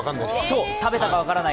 そう、食べたか分からない